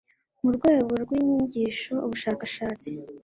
mu rwego rw inyigisho ubushakashatsi